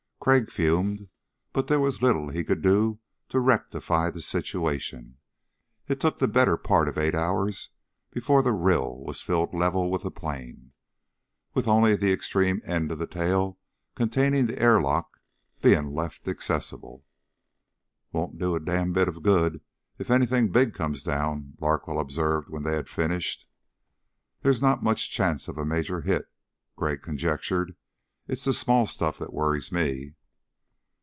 Crag fumed but there was little he could do to rectify the situation. It took the better part of eight hours before the rill was filled level with the plain, with only the extreme end of the tail containing the airlock being left accessible. "Won't do a damn bit of good if anything big comes down," Larkwell observed when they had finished. "There's not much chance of a major hit," Crag conjectured. "It's the small stuff that worries me."